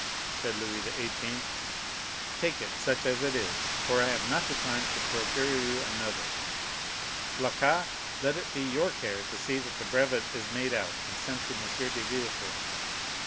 _" said Louis XVIII., "take it, such as it is, for I have not the time to procure you another. Blacas, let it be your care to see that the brevet is made out and sent to M. de Villefort."